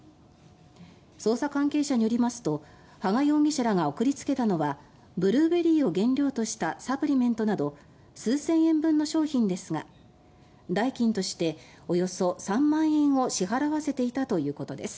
捜査関係者によりますと羽賀容疑者らが送り付けたのはブルーベリーを原料としたサプリメントなど数千円分の商品ですが代金としておよそ３万円を支払わせていたということです。